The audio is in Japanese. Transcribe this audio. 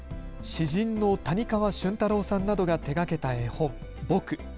詩人の谷川俊太郎さんなどが手がけた絵本、ぼく。